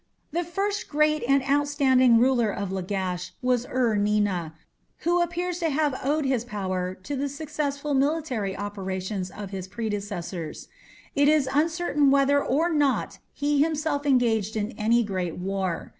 The first great and outstanding ruler of Lagash was Ur Nina, who appears to have owed his power to the successful military operations of his predecessors. It is uncertain whether or not he himself engaged in any great war.